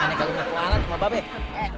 aneh kalau lu ngakuangan sama bapak